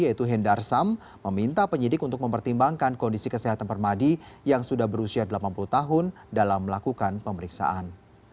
yaitu hendarsam meminta penyidik untuk mempertimbangkan kondisi kesehatan permadi yang sudah berusia delapan puluh tahun dalam melakukan pemeriksaan